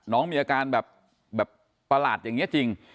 น้องมีอาการแบบประหลาดอย่างนี้จริง